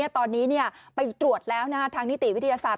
ตอนนี้ไปตรวจแล้วทางนิติวิทยาศาสต